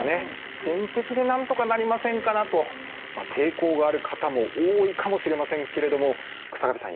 点滴でなんとかなりませんかなと抵抗がある方も多いかもしれませんけれども日下部さん